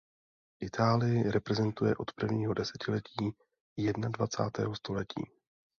Itálii reprezentuje od prvního desetiletí jednadvacátého století.